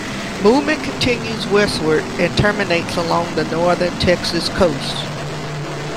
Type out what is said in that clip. Movement continues westward and terminates along the northern Texas coast.